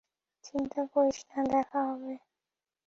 চিন্তা করিস না, দেখা হবে।